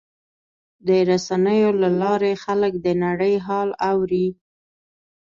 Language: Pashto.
د رسنیو له لارې خلک د نړۍ حال اوري.